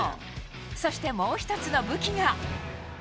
そしてもう一つの武器が。